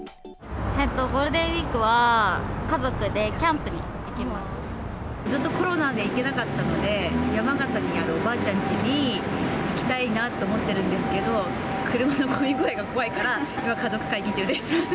ゴールデンウィークは家族でずっとコロナで行けなかったので、山形にあるおばあちゃんちに行きたいなと思ってるんですけど、車の混み具合が怖いから、家族会議中です。